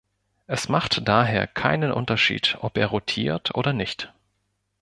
Es macht daher keinen Unterschied, ob er rotiert oder nicht.